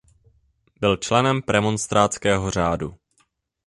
Byl členem premonstrátského řádu.